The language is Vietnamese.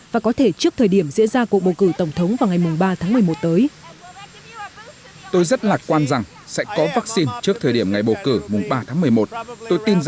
và có thể trước thời điểm diễn ra cuộc bầu cử tổng thống vào ngày ba tháng một mươi một tới